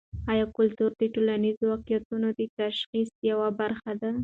ایا کلتور د ټولنیزو واقعیتونو د تشخیص یوه برخه ده؟